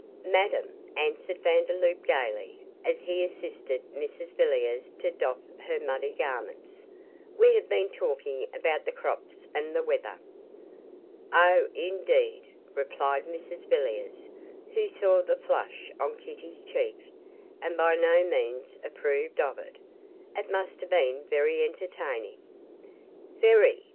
'Madame,' answered Vandeloup, gaily, as he assisted Mrs Villiers to doff her muddy garments, 'we have been talking about the crops and the weather.' 'Oh, indeed,' replied Mrs Villiers, who saw the flush on Kitty's cheek, and by no means approved of it; 'it must have been very entertaining.' 'Very!